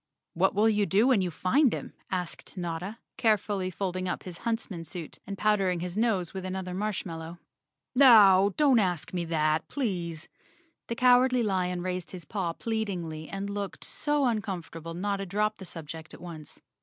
"What will you do when you find him?" asked Notta, carefully folding up his huntsman suit and powdering his nose with another marshmallow. "Now, don't ask me that, please." The Cowardly Lion raised his paw pleadingly and looked so uncom¬ fortable Notta dropped the subject at once.